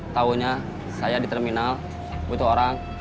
taunya saya di terminal butuh orang